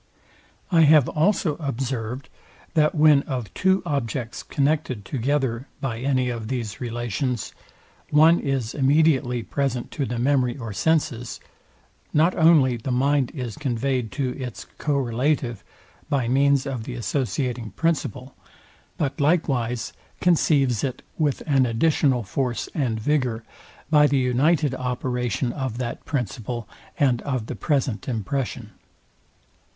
I have also observed, that when of two objects connected to ether by any of these relations, one is immediately present to the memory or senses, not only the mind is conveyed to its co relative by means of the associating principle; but likewise conceives it with an additional force and vigour, by the united operation of that principle, and of the present impression.